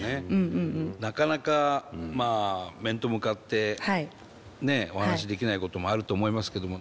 なかなか面と向かってねお話しできないこともあると思いますけども。